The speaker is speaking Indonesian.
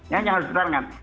yang harus dipertahankan